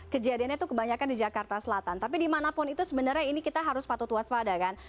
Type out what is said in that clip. kejadiannya itu kebanyakan di jakarta selatan tapi dimanapun itu sebenarnya ini kita harus patut waspada kan